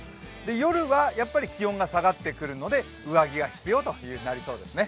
夜は気温が下がってくるので上着が必要ということになりそうですね。